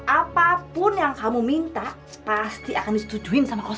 apapun yang kamu minta pasti akan disetujuin sama orang tua